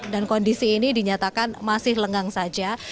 dan kondisi ini dinyatakan masih lengang saja